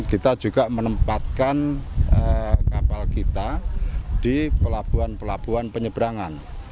kita juga menempatkan kapal kita di pelabuhan pelabuhan penyeberangan